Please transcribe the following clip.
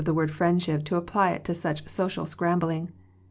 the word friendship to apply it to such social scrambling.